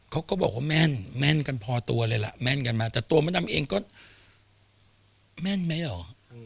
เขาก็บอกว่าแม่นแม่นกันพอตัวเลยล่ะแม่นกันมาแต่ตัวมดดำเองก็แม่นไหมเหรอ